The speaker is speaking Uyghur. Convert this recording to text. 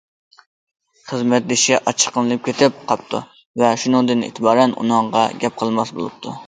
خىزمەتدىشى ئاچچىقلىنىپ كېتىپ قاپتۇ ۋە شۇنىڭدىن ئېتىبارەن ئۇنىڭغا گەپ قىلماس بولۇپتۇ.